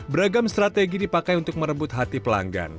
beragam strategi dipakai untuk merebut hati pelanggan